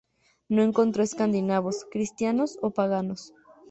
No encontró escandinavos, cristianos o paganos.